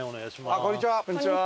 あっこんにちは！